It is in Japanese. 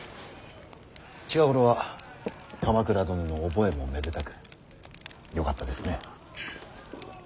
近頃は鎌倉殿の覚えもめでたくよかったですね。